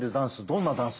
どんなダンス？